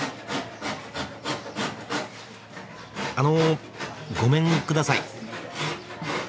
あのごめん下さい。